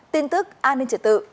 tin tức an ninh trợ tự